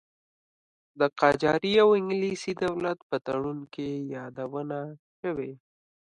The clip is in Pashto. د قاجاري او انګلیسي دولت په تړون کې یادونه شوې.